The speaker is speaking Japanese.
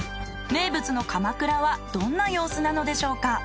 名物のかまくらはどんな様子なのでしょうか。